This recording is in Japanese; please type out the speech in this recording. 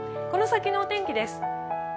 この先のお天気です。